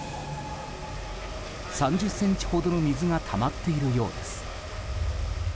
３０ｃｍほどの水がたまっているようです。